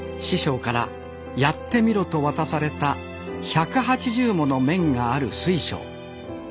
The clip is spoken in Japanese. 師匠からやってみろと渡された１８０もの面がある水晶。